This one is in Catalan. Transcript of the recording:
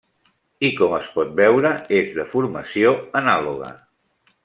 I, com es pot veure, és de formació anàloga.